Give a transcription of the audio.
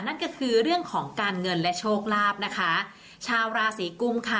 นั่นก็คือเรื่องของการเงินและโชคลาภนะคะชาวราศีกุมค่ะ